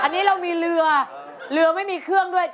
อันนี้เรามีเรือเรือไม่มีเครื่องด้วย